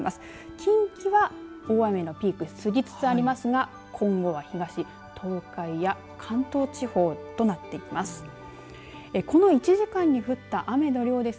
近畿は大雨のピーク過ぎつつありますが今後は東東海や関東地方となっていきます。